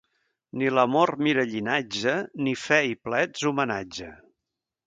Ni l'amor mira llinatge, ni fe i plets homenatge.